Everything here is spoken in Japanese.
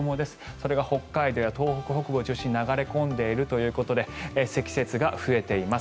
それが北海道や東北北部中心に流れ込んでいるということで積雪が増えています。